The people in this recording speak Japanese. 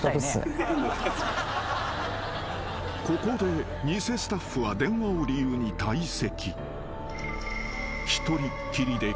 ［ここで偽スタッフは電話を理由に退席］